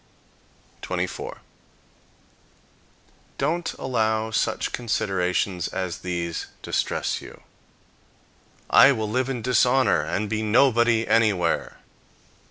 24. Don't allow such considerations as these distress you. "I will live in dishonor, and be nobody anywhere."